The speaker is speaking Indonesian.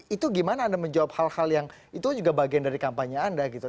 itu gimana anda menjawab hal hal yang itu juga bagian dari kampanye anda gitu